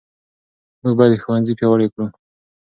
موږ باید ښوونځي پیاوړي کړو.